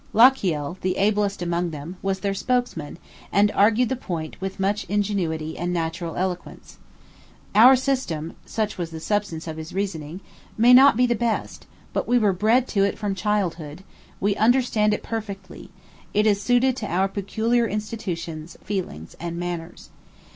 Lochiel, the ablest among them, was their spokesman, and argued the point with much ingenuity and natural eloquence. "Our system," such was the substance of his reasoning, "may not be the best: but we were bred to it from childhood: we understand it perfectly: it is suited to our peculiar institutions, feelings, and manners.